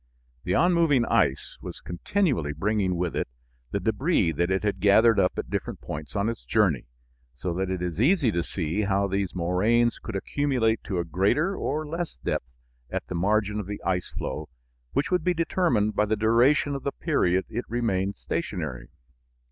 The on moving ice was continually bringing with it the débris that it had gathered up at different points on its journey, so that it is easy to see how these moraines could accumulate to a greater or less depth at the margin of the ice flow, which would be determined by the duration of the period it remained stationary.